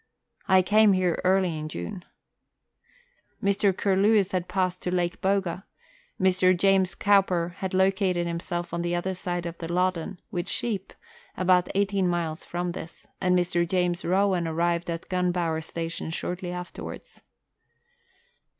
I came here early in June. Mr. Curlewis had passed to Lake Boga ; Mr. James Cowper had located himself on the other side of the Loddon, with sheep, about eighteen miles from this ; and Mr. James RoAvan arrived at Gunbower Station shortly afterwards.